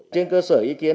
trên cơ sở ý kiến